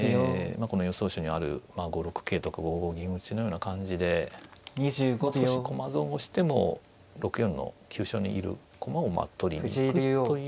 この予想手にある５六桂とか５五銀打のような感じで少し駒損をしても６四の急所にいる駒を取りに行くという。